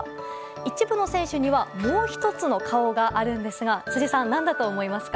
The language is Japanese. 一部の選手にはもう１つの顔があるんですが辻さん、何だと思いますか？